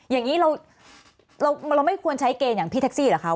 อย่างนี้เราไม่ควรใช้เกณฑ์อย่างพี่แท็กซี่เหรอคะ